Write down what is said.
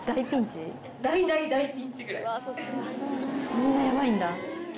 そんなヤバいんだ。